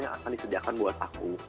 yang akan disediakan buat aku